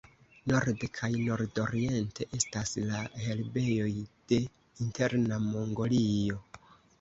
Norde kaj nordoriente estas la herbejoj de Interna Mongolio.